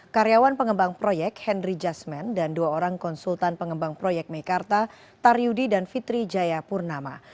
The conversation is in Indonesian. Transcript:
karyawan pengembang proyek henry jasman dan dua orang konsultan pengembang proyek meikarta taryudi dan fitri jayapurnama